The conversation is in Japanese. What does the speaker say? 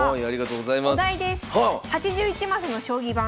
８１マスの将棋盤。